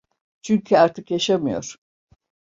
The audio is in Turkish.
Çünkü artık yaşamıyor!